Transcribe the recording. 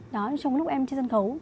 trong lúc em trên sân khấu